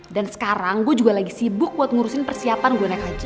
dan sekarang gue juga lagi sibuk buat ngurusin persiapan gue naik haji